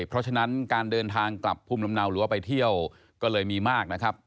เพราะฉะนั้นการเดินทางกลับภูมิลำเนาหรือว่าไปเที่ยวก็เลยมีมากนะครับ